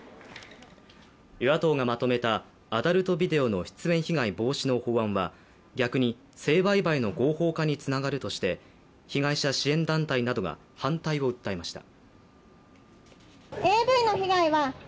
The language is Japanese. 与野党がまとめたアダルトビデオの出演被害防止の法案は逆に性売買の合法化につながるとして被害者支援団体などが反対を訴えました。